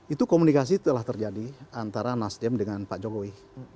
itu komunikasi telah terjadi antara nasdem dengan pak jokowi